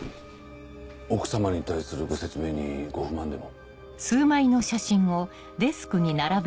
奥様に対するご説明にご不満でも？